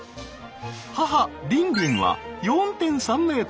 母リンリンは４．３ｍ。